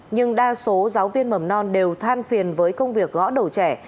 nhưng đa số giáo viên mầm non đều than phiền với công việc gõ đầu trẻ